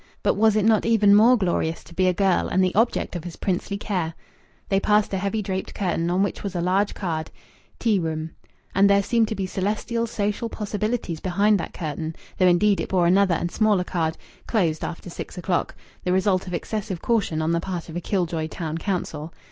But was it not even more glorious to be a girl and the object of his princely care?... They passed a heavy draped curtain, on which was a large card, "Tea Room," and there seemed to be celestial social possibilities behind that curtain, though indeed it bore another and smaller card: "Closed after six o'clock" the result of excessive caution on the part of a kill joy Town Council.